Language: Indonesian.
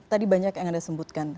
tadi banyak yang anda sebutkan